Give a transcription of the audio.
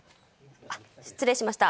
失礼しました。